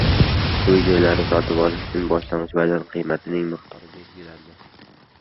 Uy-joylarni sotib olish uchun boshlang‘ich badal qiymatining miqdori belgilandi